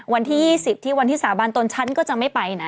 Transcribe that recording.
วันที่๒๐ที่วันที่สาบานตนฉันก็จะไม่ไปนะ